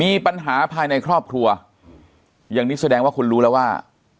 มีปัญหาภายในครอบครัวอย่างนี้แสดงว่าคุณรู้แล้วว่า